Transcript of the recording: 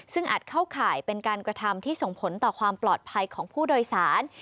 ซึ่งอาจเข้าข่ายเป็นการกระทำที่ส่งผลต่อความปลอดภัยของผู้โดยสาร